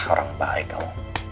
orang baik kamu